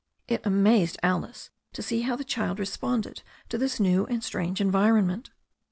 It amazed Alice to see how the child responded to this new and strange environment.